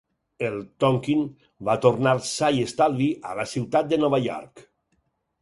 El "Tonquin" va tornar sa i estalvi a la ciutat de Nova York.